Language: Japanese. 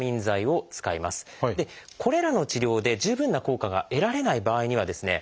これらの治療で十分な効果が得られない場合にはですね